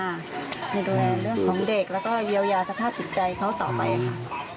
ดูแลเรื่องของเด็กแล้วก็เยียวยาสภาพจิตใจเขาต่อไปค่ะ